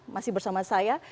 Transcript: masih bersama saya